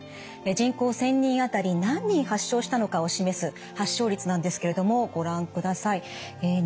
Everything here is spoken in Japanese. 人口１，０００人あたり何人発症したのかを示す発症率なんですけれどもご覧ください。